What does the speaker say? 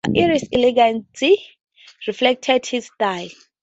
As one of Durango's founding fathers it's elegance reflected his style.